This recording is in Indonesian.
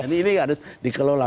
jadi ini harus dikelola